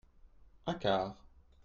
Un quart.